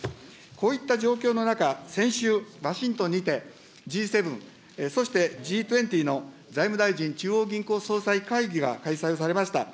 こういった状況の中、先週、ワシントンにてＧ７、そしてＧ２０の財務大臣・中央銀行総裁会議が開催をされました。